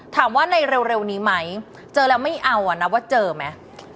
ถามว่าในเร็วนี้ไหมเจอแล้วไม่เอาอ่ะนับว่าเจอไหม